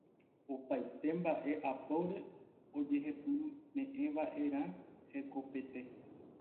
Opaite mba'e apóre oñehepyme'ẽva'erã hekopete.